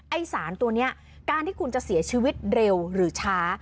ไอ้สารตัวนี้การที่คุณจะเสียชีวิตเร็วหรือช้า